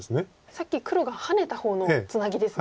さっき黒がハネた方のツナギですね。